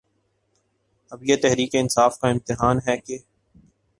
اب یہ تحریک انصاف کا امتحان ہے کہ